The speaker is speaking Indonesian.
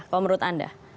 kalau menurut anda